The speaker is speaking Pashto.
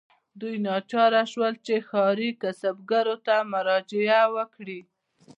دوی ناچاره شول چې ښاري کسبګرو ته مراجعه وکړي.